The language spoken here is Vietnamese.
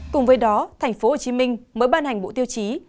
cùng với đó tp hcm mới ban hành bộ tiêu chí